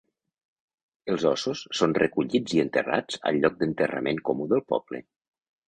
Els ossos són recollits i enterrats al lloc d'enterrament comú del poble.